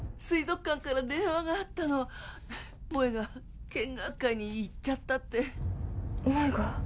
水族館から電話があったの萌が見学会に行っちゃったって萌が？